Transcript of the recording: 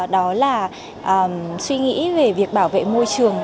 đó là suy nghĩ về việc bảo vệ môi trường